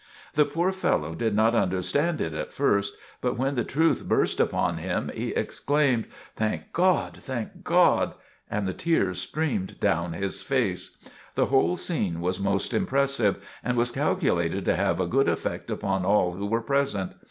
The poor fellow did not understand it at first, but when the truth burst upon him, he exclaimed: "Thank God! thank God!" and the tears streamed down his face. The whole scene was most impressive, and was calculated to have a good effect upon all who were present.